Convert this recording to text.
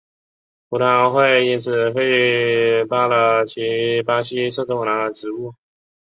葡议会因此废黜了其巴西摄政王的职务。